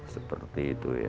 seperti itu ya